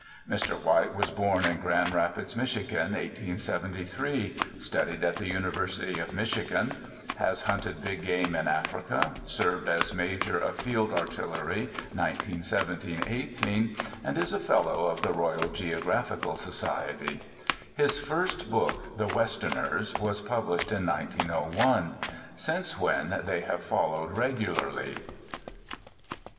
Mr. White was born in Grand Rapids, Michigan, 1873; studied at the University of Michigan; has hunted big game in Africa; served as major of field artillery, 1917 18; and is a Fellow of the Royal Geographical Society. His first book, The Westerners, was published in 1901, since when they have followed regularly.